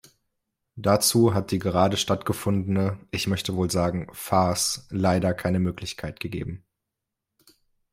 Dazu hat die gerade stattgefundene, ich möchte wohl sagen Farce leider keine Möglichkeit gegeben.